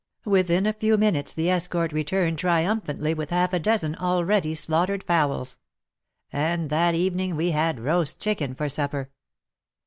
Within a few minutes the escort returned triumphantly with half a dozen already slaughtered fowls. And that evening we had roast chicken for supper.